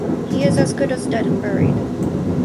He is as good as dead and buried.